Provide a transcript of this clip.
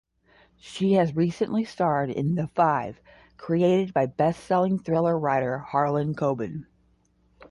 She has recently starred in The Five, created by bestselling thriller writer Harlan Coben.